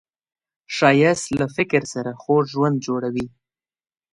ښایست له فکر سره خوږ ژوند جوړوي